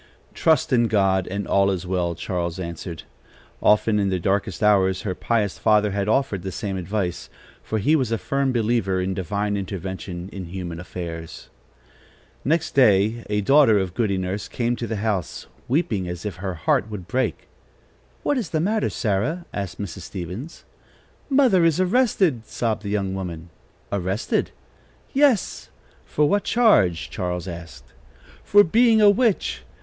"Trust in God, and all is well!" Charles answered. Often, in their darkest hours, her pious father had offered the same advice, for he was a firm believer in divine intervention in human affairs. Next day a daughter of Goody Nurse came to the house, weeping as if her heart would break. "What is the matter, Sarah?" asked Mrs. Stevens. "Mother is arrested!" sobbed the young woman. "Arrested!" "Yes." "For what charge?" Charles asked. "For being a witch.